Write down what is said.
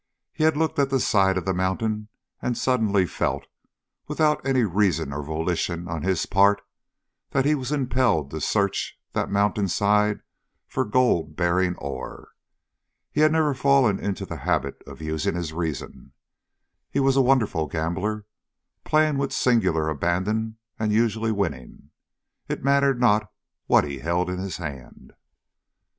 He had looked at the side of the mountain and suddenly felt, without any reason or volition on his part, that he was impelled to search that mountainside for gold bearing ore. He had never fallen into the habit of using his reason. He was a wonderful gambler, playing with singular abandon, and usually winning. It mattered not what he held in his hand.